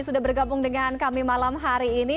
sudah bergabung dengan kami malam hari ini